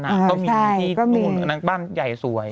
ต้องมีหลังที่นั่งบ้านใหญ่สวย